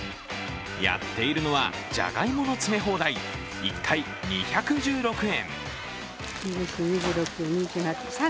やっているのはじゃがいもの詰め放題、１回２１６円。